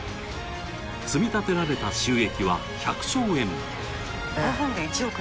積み立てられた収益は１００兆円。